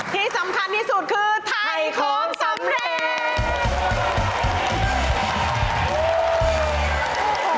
ที่สำคัญที่สุดคือไทคพสำเร็จ